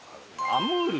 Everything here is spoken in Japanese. アムール？